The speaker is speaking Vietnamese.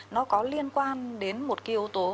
nó có liên quan đến một cái yếu tố